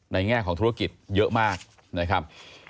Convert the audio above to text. แง่ของธุรกิจเยอะมากนะครับ